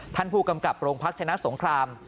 ท่านผู้กำกับโรงพักชนะสงคราม